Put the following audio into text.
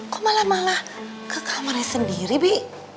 kok malah malah ke kamarnya sendiri bi